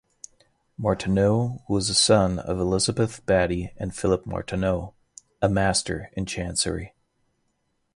Martineau was the son of Elizabeth Batty and Philip Martineau, a Master in Chancery.